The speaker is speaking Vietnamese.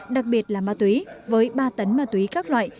đặc biệt là ma túy với ba tấn ma túy các loại